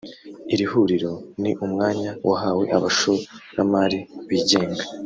Iri huriro ni umwanya wahawe abashoramari bigenga